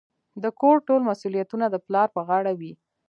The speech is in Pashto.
د کور ټول مسوليتونه د پلار په غاړه وي.